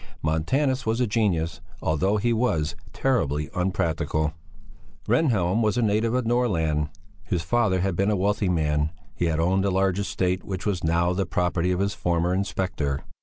Montanus was a genius, although he was terribly unpractical. Rehnhjelm was a native of Norrland. His father had been a wealthy man; he had owned a large estate which was now the property of his former inspector.